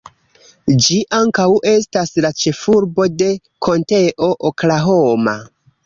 Ĝi ankaŭ estas la ĉefurbo de Konteo Oklahoma.